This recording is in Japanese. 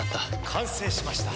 完成しました。